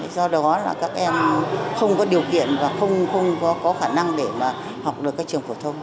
do đó là các em không có điều kiện và không có khả năng để mà học được các trường phổ thông